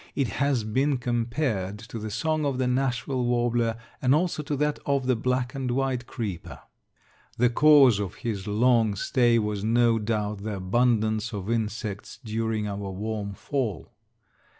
It has been compared to the song of the Nashville warbler, and also to that of the black and white creeper. The cause of his long stay was no doubt the abundance of insects during our warm fall.